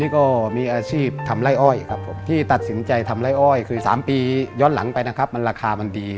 เขาก็ไม่งอกนะครับ